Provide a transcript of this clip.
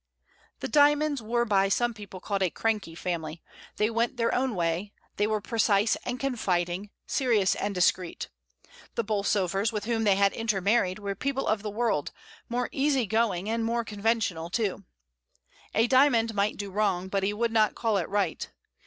The Dymonds were by some people called a cranky family, they went their own way, they were precise and confiding, serious and discreet; the 14 MRS. DYMOND. Bolsovers, with whom they had intermarried, were people of the world, more easy going, and more con ventional too* A Dymond might do wrong, but he would not call it right.